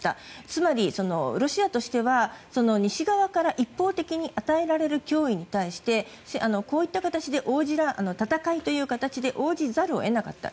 つまりロシアとしては西側から一方的に与えられる脅威に対してこういった形で戦いという形で応じざるを得なかった。